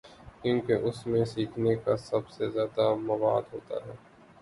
کیونکہ اس میں سیکھنے کا سب سے زیادہ مواد ہو تا ہے۔